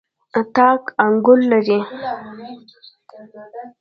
تاک انګور لري.